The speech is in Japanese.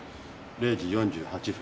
０時４８分。